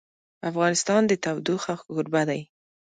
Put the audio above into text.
افغانستان د تودوخه کوربه دی.